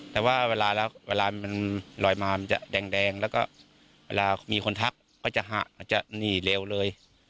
แต่ว่าเวลาแล้วเวลามันลอยมามันจะแดงแล้วก็เวลามีคนทักก็จะหนีเร็วเลย